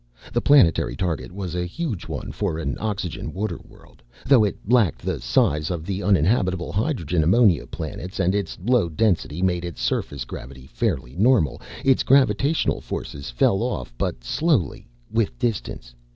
The planetary target was a huge one for an oxygen water world. Though it lacked the size of the uninhabitable hydrogen ammonia planets and its low density made its surface gravity fairly normal, its gravitational forces fell off but slowly with distance.